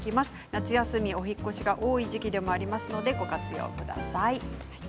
夏休みはお引っ越しの多い時期ですのでご活用ください。